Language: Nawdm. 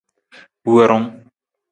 Worung.